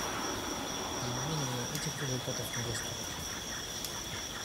Тем не менее этих результатов недостаточно.